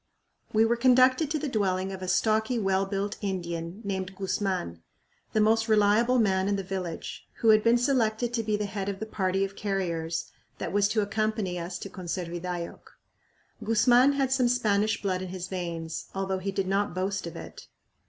We were conducted to the dwelling of a stocky, well built Indian named Guzman, the most reliable man in the village, who had been selected to be the head of the party of carriers that was to accompany us to Conservidayoc. Guzman had some Spanish blood in his veins, although he did not boast of it.